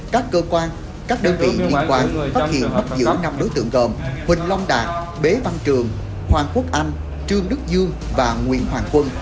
các cơ quan các đơn vị liên quan phát hiện bắt giữ năm đối tượng gồm huỳnh long đạt bế văn trường hoàng quốc anh trương đức dương và nguyễn hoàng quân